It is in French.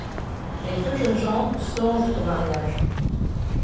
Les deux jeunes gens songent au mariage.